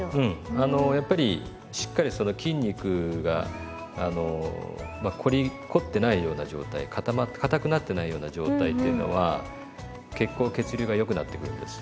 あのやっぱりしっかりその筋肉が凝ってないような状態かたくなってないような状態っていうのは血行血流がよくなっていくんです。